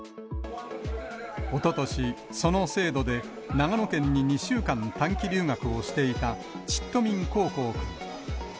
おととし、その制度で、長野県に２週間短期留学をしていた、チット・ミン・コー・コー君。